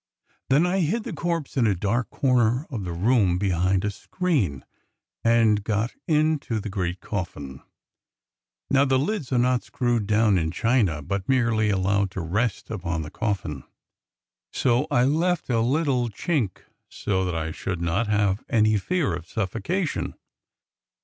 Then I hid the corpse in a dark corner of the room behind a screen and got into the great coffin. Now the lids are not screwed down in China, but merely allowed to rest upon the coffin, so I left a very little chink so that I should not have any fear of suffocation.